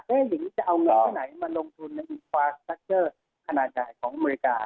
แม่หญิงจะเอาเงินขนาดไหนมาลงทุนในอีกฟาสตรัคเจอร์ขนาดจ่ายของอเมริกา